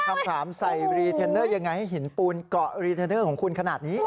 คำถามใส่รีเทนเนอร์ยังไงให้หินปูนเกาะรีเทนเนอร์ของคุณขนาดนี้